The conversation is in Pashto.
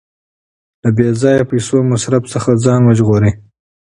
له بې ځایه پیسو مصرف څخه ځان وژغورئ.